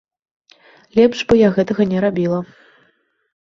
Лепш бы я гэтага не рабіла.